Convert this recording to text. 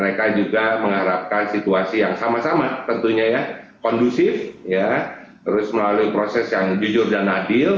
mereka juga mengharapkan situasi yang sama sama tentunya ya kondusif terus melalui proses yang jujur dan adil